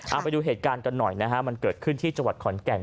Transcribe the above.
เอาไปดูเหตุการณ์กันหน่อยนะฮะมันเกิดขึ้นที่จังหวัดขอนแก่น